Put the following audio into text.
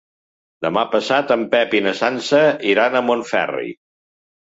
Demà passat en Pep i na Sança iran a Montferri.